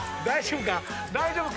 大丈夫か？